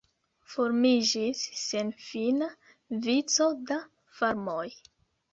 Formiĝis senfina vico da farmoj.